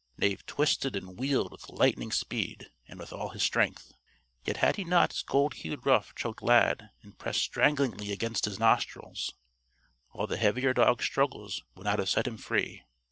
Knave twisted and wheeled with lightning speed and with all his strength. Yet had not his gold hued ruff choked Lad and pressed stranglingly against his nostrils, all the heavier dog's struggles would not have set him free.